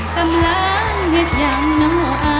ตำร้านเงินยังหน่อย